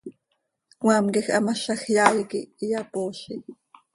Cmaam quij hamazaj yaai quij iyapoozi.